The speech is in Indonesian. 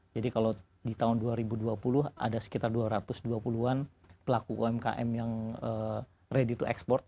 jadi kalau di tahun dua ribu dua puluh ada sekitar dua ratus dua puluh an pelaku umkm yang ready to export